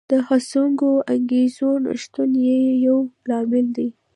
د هڅوونکو انګېزو نشتون یې یو لامل دی